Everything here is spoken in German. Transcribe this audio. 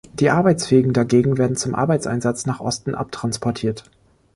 Die Arbeitsfähigen dagegen werden zum Arbeitseinsatz nach Osten abtransportiert.